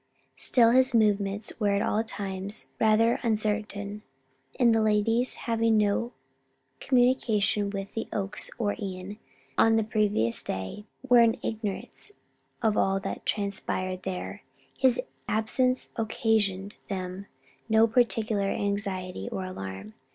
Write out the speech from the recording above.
Still as his movements were at all times rather uncertain, and the ladies, having had no communication with the Oaks or Ion on the previous day, were in ignorance of all that had transpired there, his absence occasioned them no particular anxiety or alarm.